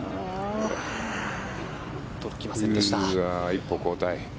一歩後退。